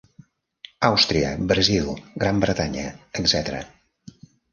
Àustria, Brasil, Gran Bretanya, etc.